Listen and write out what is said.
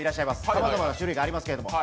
さまざまな種類がありますけれども。